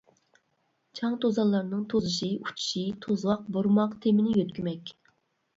چاڭ-توزانلارنىڭ توزۇشى، ئۇچۇشى توزغاق بۇرىماق، تېمىنى يۆتكىمەك.